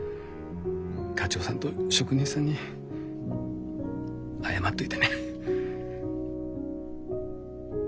課長さんと職人さんに謝っといてね。